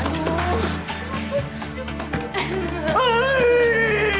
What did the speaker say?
iya bentar lagi nyampe kelas kok